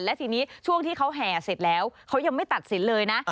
และทีนี้ช่วงที่เขาแห่เสร็จแล้วเขายังไม่ตัดสินเลยนะ